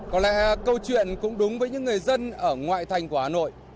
có lẽ câu chuyện cũng đúng với những người dân ở ngoại thành của hà nội